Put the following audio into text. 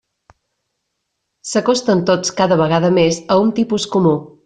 S'acosten tots cada vegada més a un tipus comú.